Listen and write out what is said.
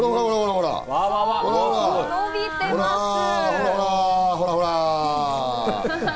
ほらほら。